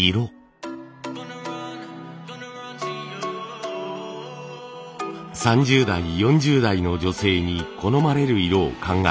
３０代４０代の女性に好まれる色を考え改良を重ねました。